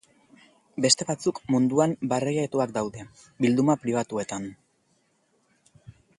Beste batzuk munduan barreiaturik daude, bilduma pribatuetan.